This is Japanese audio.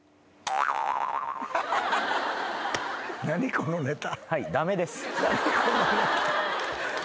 このネタ。